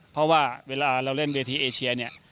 เพราะว่าเวลาเราเล่นเวทีเอเชียเนี่ย